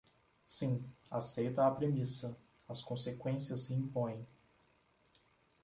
Sim, aceita a premissa, as conseqüências se impõem.